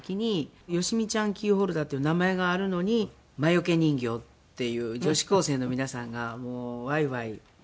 「よしみちゃんキーホルダー」という名前があるのに「魔よけ人形」っていう女子高生の皆さんがもうワイワイ騒がれて。